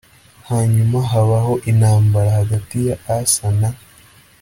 hanyuma habaho intambara hagati ya asa na